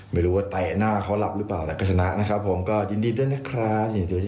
ไม่รู้ว่าแต่หน้าเขาหลับหรือเปล่าแล้วก็ชนะนะครับผมก็ยินดีด้วยนะครับสำหรับเหรียญทองครับผม